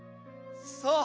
そう！